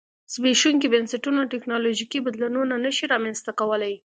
زبېښونکي بنسټونه ټکنالوژیکي بدلونونه نه شي رامنځته کولای.